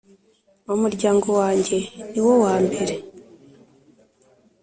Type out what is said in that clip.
umuryango wange ni wo wa mbere